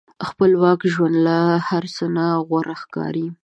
خپلواک ژوند له هر څه نه غوره ښکاري.